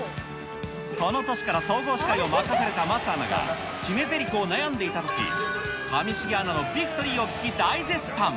この年から総合司会を任された桝アナが、決めぜりふを悩んでいたとき、上重アナのヴィクトリーを聞き、大絶賛。